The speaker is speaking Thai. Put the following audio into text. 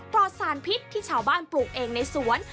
ปลอดสารพิษที่ชาวบ้านปลูกเองในสวน